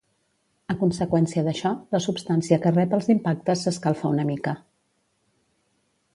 A conseqüència d'això, la substància que rep els impactes s'escalfa una mica.